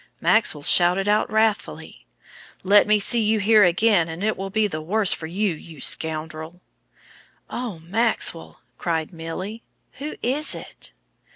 Maxwell shouted out wrathfully: "Let me see you in here again, and it will be the worse for you, you scoundrel!" "Oh, Maxwell," cried Milly, "who is it?"